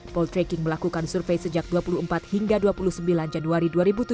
poltreking melakukan survei sejak dua puluh empat hingga dua puluh sembilan januari dua ribu tujuh belas